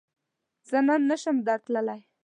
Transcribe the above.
زۀ نن نشم درتلای